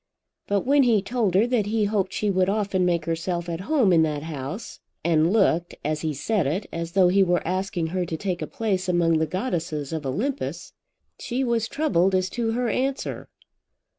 But when he told her that he hoped she would often make herself at home in that house, and looked, as he said it, as though he were asking her to take a place among the goddesses of Olympus, she was troubled as to her answer.